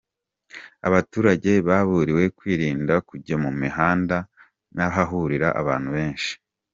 Abaturage baburiwe kwirinda kujya mu mihanda n’ahahurira abantu benshi.